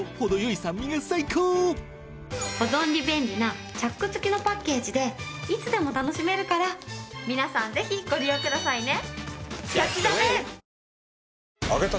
保存に便利なチャック付きのパッケージでいつでも楽しめるから皆さんぜひご利用くださいね。